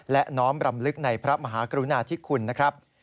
และน้อมรำลึกในพระมหากรุณาธิคุณนะครับ